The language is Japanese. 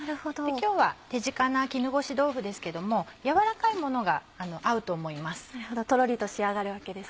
今日は手近な絹ごし豆腐ですけども軟らかいものが合うと思います。